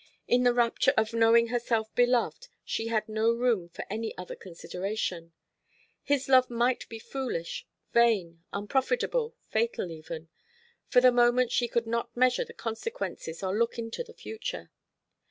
In the rapture of knowing herself beloved she had no room for any other consideration. His love might be foolish, vain, unprofitable, fatal even. For the moment she could not measure the consequences, or look into the future.